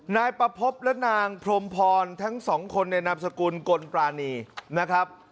นายประพบและนางพรมพรทั้งสองคนในนามสกุลกลปรานีนะครับ